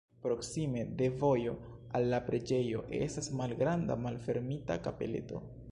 Proksime de vojo al la preĝejo estas malgranda malfermita kapeleto.